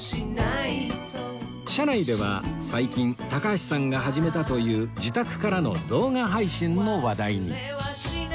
車内では最近高橋さんが始めたという自宅からの動画配信の話題に